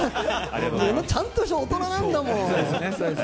ちゃんとした大人なんだもん。